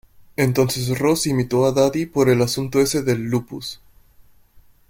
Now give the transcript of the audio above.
Entonces Ross imitó a Daddy por el asunto ese del "lupus".